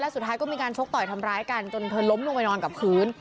สุดท้ายก็มีการชกต่อยทำร้ายกันจนเธอล้มลงไปนอนกับพื้น